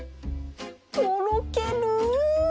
とろける